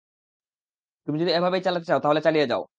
তুমি যদি এভাবেই চালাতে চাও তাহলে চালিয়ে যাও।